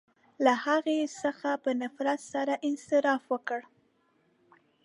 • له هغه څخه په نفرت سره انصراف وکړ.